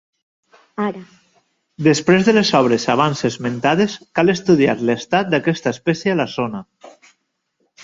Després de les obres abans esmentades, cal estudiar l'estat d'aquesta espècie a la zona.